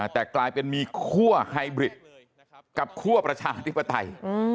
แต่กลายเป็นมีคั่วไฮบริดกับคั่วประชาธิปไตย